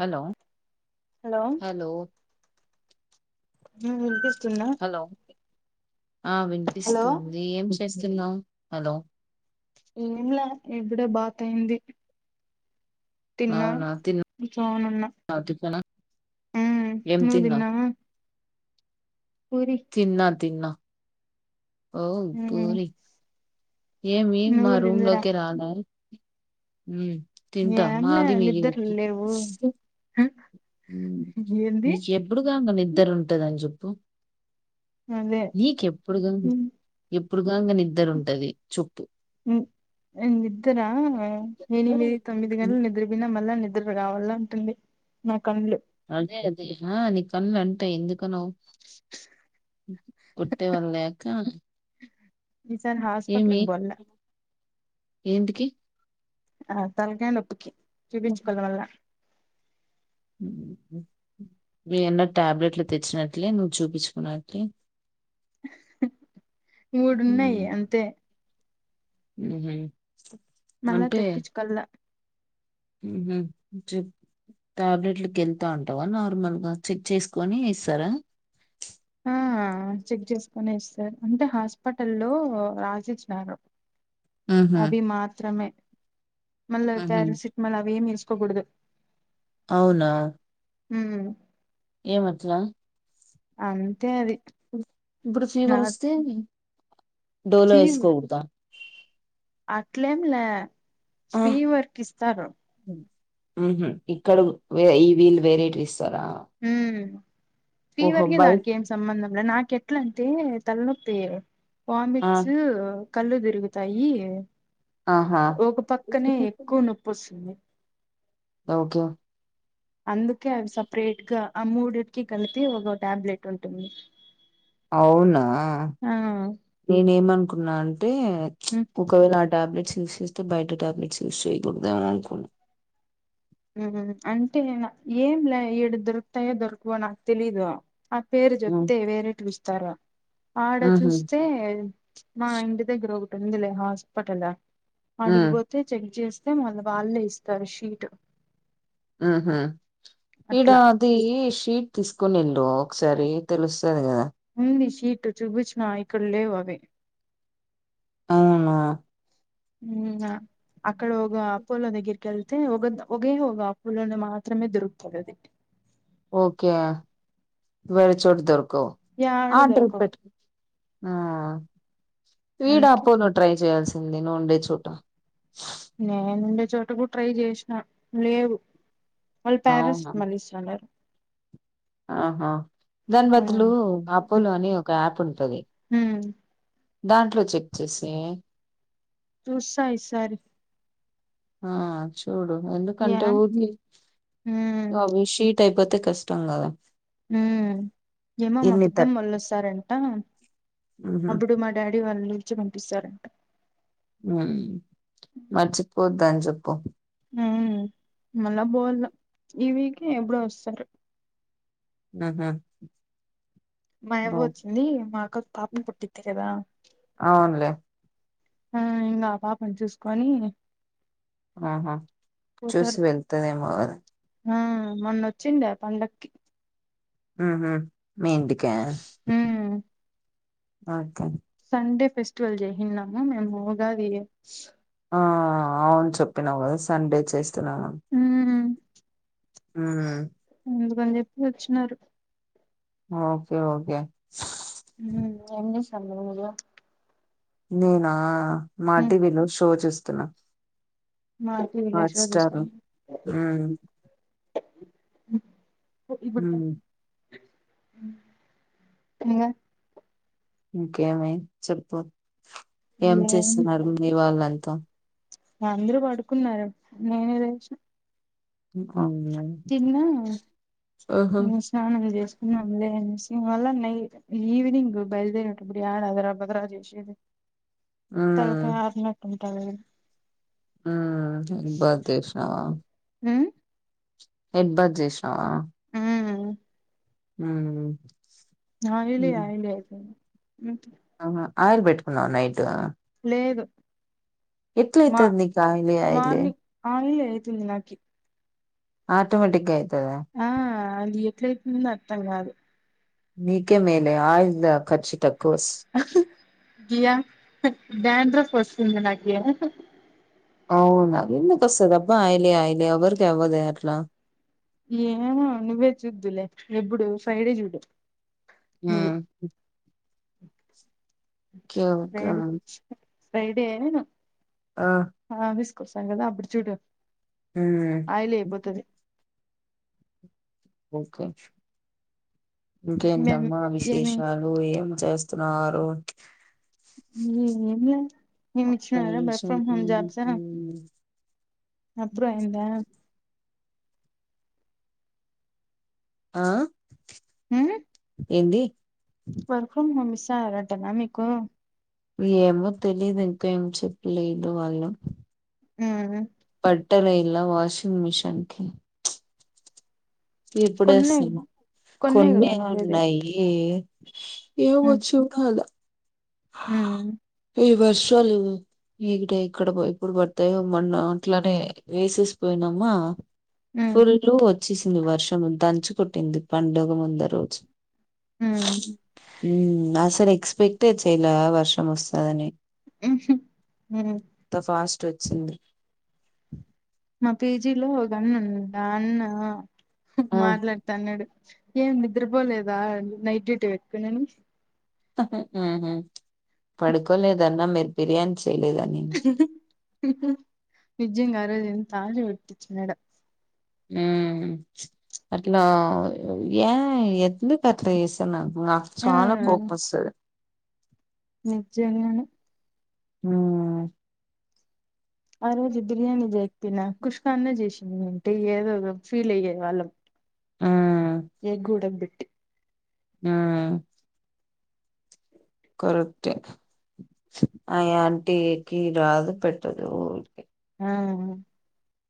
Hello hello వినిపిస్తుందా hello ఆ hello వినిపిస్తుంది ఏంచే స్తునవ్ హలో ఏంలే ఆక్ ఇప్పుడే బాత్ అయింది తిన్నా అవునా తిన్నావా ఉచోనున్న టిఫిన్ ఉమ్ ఏం నువ్ తిన్నావ్ దిన్నావా తిన్నా తిన్నా ఓ ఉమ్ పూరి ఏమి నువ్వు మా కూడా రూమ్ తిందువురా లోకే రాలె తింట ఏంలే మాది మీది వ నిద్దర లేవు హ ఉమ్ ఏంది నీకు ఎప్పుడు కంగా నిద్దర ఉంటదని చెప్పు అదే నీకెప్పుడు గా ఎప్పుడు గాంగ నిద్దరుంటది చొప్పు ఎ నీద్దరా ఏనిమీ తొమ్మిది గంటలు ఉమ్, నిద్ర పోయినా మల్లా నిద నిద్దర రావల్ అంటుంది నా కళ్డ్లు అదే అదే ఆ నీ కండ్లు అంటాయి ఎందుకనవ్ కుట్టే వాళ్ళేక ఈ సార్ హాస్పిటల్కి బొల్ల ఎంటికి ఆ తల్కాయ్ నొప్పికి చూపించుకోల వల్ల ఉహ్ వే అన్న టాబ్లెట్లు తెచ్చినట్లే నువ్వు చూపించుకున్నట్లే మూడున్నాయి అంతే ఉ హు మళ్ళా తెప్పిచ్కోళ్ళ ఉ హు చెప్ టాబ్లెట్లకెళ్తా ఉంటాద నార్మల్ గా చెక్ చేసుకోని ఇస్తారా ఆ చెక్ చేసుకొనే ఇస్తారు అంటే హాస్పిటల్లో రాసిచ్చినారు ఉహు అవి మాత్రమే మళ్ళా ప్యారసిటిమల్ అవేమీ ఎసుకోకూడదు అవునా ఉమ్ ఏ మట్లా అంతే అది ఇప్పుడు నా ఫీవర్ ఓస్తే డోలో ఎస్కోగోడద అట్లేం లే స్పీవర్క్ ఇస్తారు ఉ హు ఇక్కడ ఈ వీళ్లు వేరేటివి ఇస్తారా మ్ ఓహో ఫీవర్ కి బై దానికి ఏం సంబంధం లే నాకెట్లం టే తల్లనొప్పి వమిట్స్ కళ్ళు తిరుగుతాయి ఆహా ఒక పక్కనే ఎక్కువ నొప్పిస్తుంది ఓకే అందుకే అవి సపరేట్ గా ఆ ముడుట్కి కలిపి ఒక టాబ్లెట్ ఉంటుంది అవునా ఆ నేనే ఏమనుకున్నా ఆన్ టే ఒకవేలా ఆ టాబ్లెట్స్ యూస్ చేస్తె బైట టాబ్లెట్స్ యూస్ చేయకూడదేమోననుకున్న ఉమ్ అంటే ఏం లే ఇడా దొరుకుతాయో దొరకువో నాకు తెలీదు ఆ పేరు హ్మ్ జెప్తే వేరేటివి ఇస్తారు ఆడ ఊహూ చూస్తే మా ఇంటి దగ్గర ఒక ఉందిలే హాస్పిటల హ్మ్ ఆడిగిపోతే చెక్ చేస్ మ వాల్లే ఇస్తారు షీట్ ఉ హ్ ఇడా అట్లా అది షీ తీసుకుని ఎల్లు ఒకసారి తెలుస్తది కదా ఉందిషీట్ చుపిచ్చిన ఇక్కడలేవవి అవునా ఉమ్ ఆ అక్కడ ఒగ అపోలో దగ్గర్కెళ్తే ఒగ ఒగే ఒగ అపోలోని మాత్రమే దొరుకుతదది ఓకే వేరే చోట దొరు యాడ ఆర్డర్ దొరకవు పెట్కొ వీడ అందుకే అపోలొ ట్రై చేయాల్సింది నువ్వు ఉండే చోట నేను ఉండే చోటకుడ ట్రై చేస్న లేవు వాళ్ళు అవునా ప్యారసిటీమల్ ఇస్తాండారు ఆహా దాని ఉమ్ బదులు అపోలో అని ఒక యాప్ ఉంటది ఉమ్ దాంట్లో చెక్ చేసి చూస్తా ఈ సారి ఆ చూడు యా ఎందుకంటే ఊది ఉమ్ అవిషీ టైపోతే కష్టం కదా ఉమ్ ఏమో మా ఎన్ని థర్ పెద్దమ్మోళ్ళొస్తారంట ఉహు అప్పుడు మా డాడీ వాళ్ళు ఇచ్చి పంపిస్తారంట ఉమ్ మర్చిపోవద్దు అని జెప్పు ఉమ్ మళ్ళా బోవల్ల ఈవీకె ఎప్పుడో వస్తారు అ హ మాయవ్వ వచ్చింది మా అక్కకు పాప పుట్టిది కదా అవునులే ఆ ఇంగ అ పాపని చూసుకొని ఆహా చూసి పోతారు వెళ్తదేమో గదా ఆ మొన్నొచ్చిండే ఆ పండక్కి ఉహ్ మీ ఇంటికా ఉమ్ ఓకే ండే ఫెస్టివల్ చేసిన్నము మేము ఉగాది ఆ అవును చెప్పినావు కదా సండే చేస్తున్నాం అని ఉమ్ ఉమ్ అందుకని చెప్పి వచ్చినారు ఓక్కే ఓకే ఉమ్ ఎం చేస్తన్నావ్ నువో నేనా మా టీవీలో షో చూస్తున్నా మాకు విలేజ్ హాట్ లో స్టార్ చూస్తాను ఉమ్ ఇప్పుడుత ఉమ్ ఇగా ఇంకేమి చెప్పు ఏం చేస్తున్నారు మీ వాళ్ళంతా అందరూ పడుకున్నారు నేనే లేశిన [unintelligible] తిన్నా ఆహా ఇగ స్నానం చేస్ దే అనేసి ఇవాళ నై ఈవేనింగ్ బయల్దేరేటప్పుడు యాడ అదరా భదరా చేసేది ఉమ్ తలపై ఆరినట్టుంటాది ఉమ్ హెడ్ బాత్ చేసినవ ఉమ్ హెడ్ బాత్ జేసినవా ఉమ్ ఉమ్ నా ఇలియా ఆయిలి అయిపోయి ఆహా ఆయిల్ పెట్టుకున్నావ్ నైట్ లేదు మా ఎట్లయితది నీకు ఆయిలే ఆయిలే మార్ని ఆయిలే తిన్నా కి ఆటోమేటిక్ గా అయితదా అదీ ఎట్ల ఐతుందో అర్థం కాదు మీకె మేలే ఆయిల్ ద ఖర్చు తక్కువ వస్త దియా దండ్రఫ్ వస్తుంది నాకే అవునా ఎందుకొస్తది అబ్బా అయిలే ఆయిల్ ఎవరికి అవ్వదే అట్లా ఏమో నువ్వే చూద్దులే ఎప్పుడు ఫ్రైడే చూడు ఆ నువ్వు ఓకే ఓకే ఫ్రైడే ఫ్రైడే ఆ ఆఫీసు కి ఓస్త కదా అపుడు చూడు ఉమ్ ఆయిల్ అయిపోతది ఒకే మేము ఇంకేంటమ్మా ఏమి విశేషాలు ఏం చేస్తున్నారు ఉ ఉ ఏమిలే నినా ఒక్క ఇచ్చినారు కథ వర్క్ నిమిషం ఫ్రమ్ హోమ్ హ్మ్. జాబ్స్ హ్మ్. అప్రూవ్ అయిందా ఆ ఉమ్ ఏంది వర్క్ ఫ్రమ్ హోమ్ విస్సార అంటనా మీకు ఏమో తెలీదు ఇంకా ఏం చెప్పలేదు వాళ్ళు ఉహ్మ్ పట్టల ఇలా వాషింగ్ మిషన్ కి కొన్నే ఇప్పుడేస్తున్నా కొన్నే కదా ఉండేది ఉన్నాయి ఏం ఉమ్ వచ్చు కాళ ఉమ్ ఇవర్షలు ఇం ఇంకా ఎప్పుడు పడతాయో మొన్న అట్లనే వేసేసి పోయినమ్మా ఉమ్ ఫుల్లు వచ్చేసింది వర్షము దంచుకోట్టింది పండుగ ముంద రోజు ఉమ్ ఉమ్ అసలు ఎక్స్పెక్టే చేయిలా వర్షం వస్తదని ఊహుం ఊ చింది మా పీజీలో ఒక అన్న ఉన్నాడు అన్న ఆ మాట్లాడుతా అన్నాడు ఏం నిద్ర పోలేదా నైట్ డ్యూటీ వక్ నేను పడుకోలేదన్న మీరు బిర్యానీ చేయలేదని నిజంగా అరోజు ఎంత ఆటా పట్టించినడో ఉమ్ అట్లా ఏ ఎందుకు అట్ల చేస్తున్నావ్ నాక్ ఆ చాలా కోపం వస్తది నిజంగానే ఊమ్ ఆ రోజు బిర్యానీ చేక్ తిన కుష్కాన్న చేసిందు అంటే ఏదోఫీల్ అయ్యేవాళ్ళం ఆ ఎగ్ ఉడగ్బే ఆ కరెక్టే ఆయాంటిీ కి రాదు పెట్టదు ఉర్కె ఆ